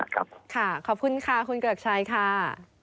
ขอบคุณค่ะคุณเกริกชัยค่ะ